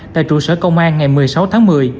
tại trụ sở công an ngày một mươi sáu tháng một mươi